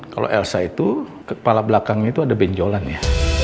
kalau elsa itu kepala belakangnya itu ada benjolan ya